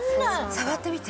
触ってみて。